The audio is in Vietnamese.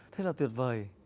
thế là tuyệt vời